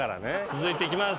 続いていきます。